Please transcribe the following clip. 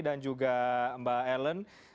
dan juga mba ellen